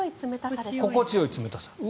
心地よい冷たさですね。